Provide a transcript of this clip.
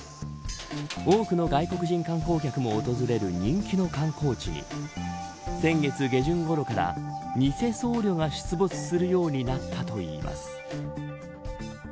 多くの外国人観光客も訪れる人気の観光地に先月下旬ごろから偽僧侶が出没するようになったといいます。